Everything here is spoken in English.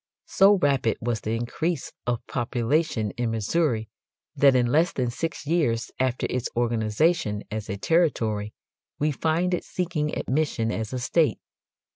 So rapid was the increase of population in Missouri that in less than six years after its organization as a territory we find it seeking admission as a state.